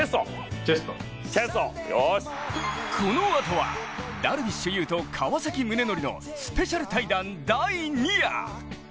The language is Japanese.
このあとは、ダルビッシュ有と川崎宗則のスペシャル対談第２夜。